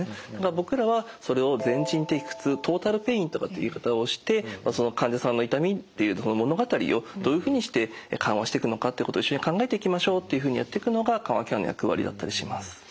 僕らはそれを全人的苦痛トータルペインとかって言い方をしてその患者さんの痛みっていうものがたりをどういうふうにして緩和していくのかってことを一緒に考えていきましょうっていうふうにやっていくのが緩和ケアの役割だったりします。